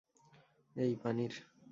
এই, পানির!